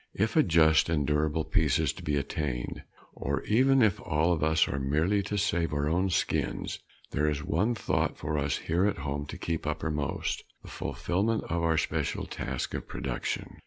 If a just and durable peace is to be attained, or even if all of us are merely to save our own skins, there is one thought for us here at home to keep uppermost the fulfillment of our special task of production.